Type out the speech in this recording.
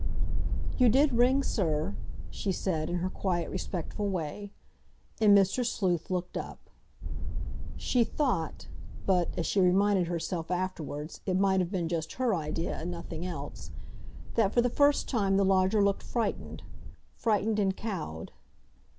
"You did ring, sir?" she said, in her quiet, respectful way. And Mr. Sleuth looked up. She thought—but, as she reminded herself afterwards, it might have been just her idea, and nothing else—that for the first time the lodger looked frightened—frightened and cowed.